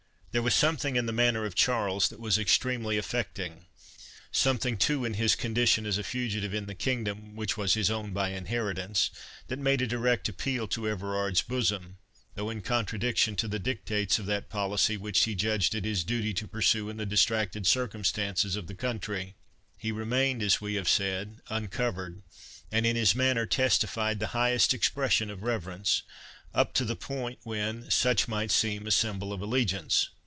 There was something in the manner of Charles that was extremely affecting; something too, in his condition as a fugitive in the kingdom which was his own by inheritance, that made a direct appeal to Everard's bosom—though in contradiction to the dictates of that policy which he judged it his duty to pursue in the distracted circumstances of the country. He remained, as we have said, uncovered; and in his manner testified the highest expression of reverence, up to the point when such might seem a symbol of allegiance.